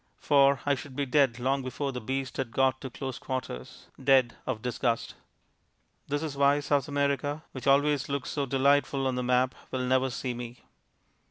For I should be dead long before the beast had got to close quarters; dead of disgust. This is why South America, which always looks so delightful on the map, will never see me.